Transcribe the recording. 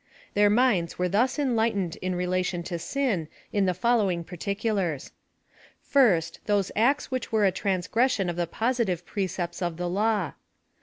Their minds were thus enlightened in relation to sin in the following particulars. First, those acts which were a transgression of the posi tive precepts of the Law.